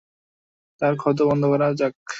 তার ক্ষত বন্ধ করা যাক।